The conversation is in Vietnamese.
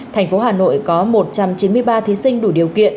thành phố hà nội có một trăm chín mươi ba thí sinh đủ điều kiện